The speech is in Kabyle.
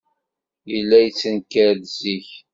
Yella yettenkar-d zik.